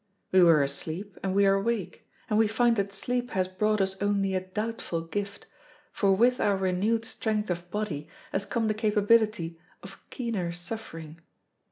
We were asleep and we are awake, and we find that sleep has brought us only a doubtful gift, for with our renewed strength of body has come the capability of keener suffering.